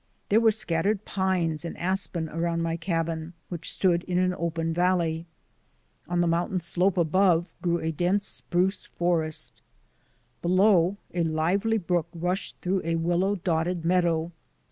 There were scattered pines and aspen around my cabin which stood in an open valley. On the mountain slope above grew a dense spruce forest. Below, a lively brook rushed through a willow dotted meadow.